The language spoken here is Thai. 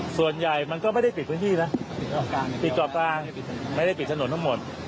ส่วนใหญ่มันก็ไม่ได้ปิดพื้นที่นะปิดเกาะกลางไม่ได้ปิดถนนทั้งหมด